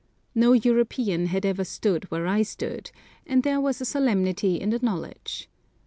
No European had ever stood where I stood, and there was a solemnity in the knowledge.